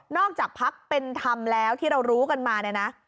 จากพักเป็นธรรมแล้วที่เรารู้กันมาเนี่ยนะ